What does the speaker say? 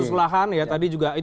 terus lahan ya tadi juga